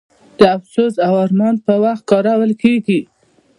د افسوس او ارمان پر وخت کارول کیږي.